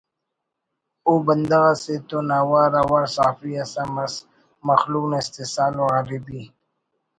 ءُ بندغ اسے تون اوار اوار صحافی اس ہم ئس مخلوق نا استحصال و غریبی